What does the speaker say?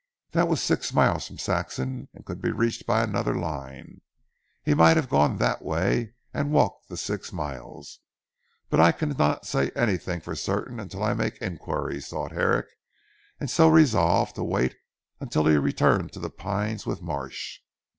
That was six miles from Saxham, and could be reached by another line. He might have gone that way and walked the six miles. "But I cannot say anything for certain until I make enquiries," thought Herrick and so resolved to wait until he returned to "The Pines" with Marsh.